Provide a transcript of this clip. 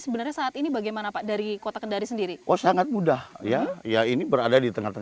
sebenarnya saat ini bagaimana pak dari kota kendari sendiri oh sangat mudah ya ya ini berada di tengah tengah